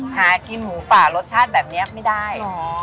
หากินหมูป่ารสชาติแบบนี้ไม่ได้